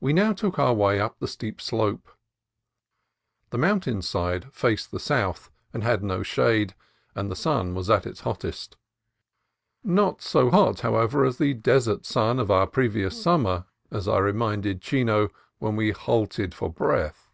We now took our way up the steep slope. The mountain side faced the south, and had no shade, and the sun was at its hottest. Not so hot, how ever, as the desert sun of our previous summer, as I reminded Chino when we halted for breath.